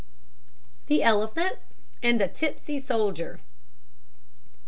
THE ELEPHANT AND THE TIPSY SOLDIER.